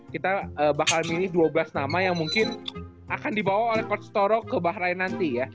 kita bakal milih dua belas nama yang mungkin akan dibawa oleh coach toro ke bahrain nanti ya